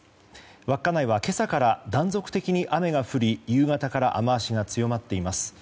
稚内は今朝から断続的に雨が降り夕方から雨脚が強まっています。